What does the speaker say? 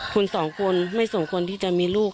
คุณสองคนไม่สมควรที่จะมีลูก